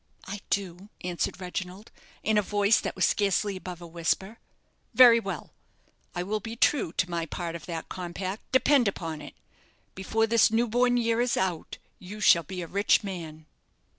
"I do," answered Reginald, in a voice that was scarcely above a whisper. "Very well; I will be true to my part of that compact, depend upon it. Before this new born year is out you shall be a rich man."